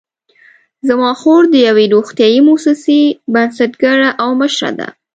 زما خور د یوې روغتیايي مؤسسې بنسټګره او مشره ده